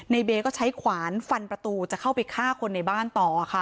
เบย์ก็ใช้ขวานฟันประตูจะเข้าไปฆ่าคนในบ้านต่อค่ะ